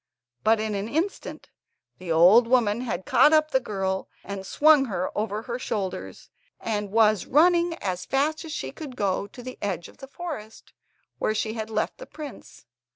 But in an instant the old woman had caught up the girl and swung her over her shoulders, and was running as fast as she could go to the edge of the forest, where she had left the prince.